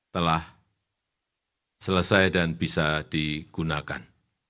telah selesai dan bisa digunakan